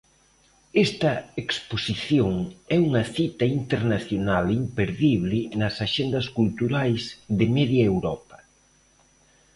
Esta exposición é unha cita internacional imperdible nas axendas culturais de media Europa.